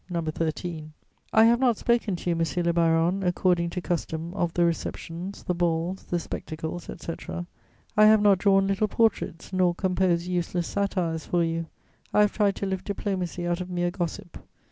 13: "I have not spoken to you, monsieur le baron, according to custom, of the receptions, the balls, the spectacles, etc.; I have not drawn little portraits nor composed useless satires for you; I have tried to lift diplomacy out of mere gossip.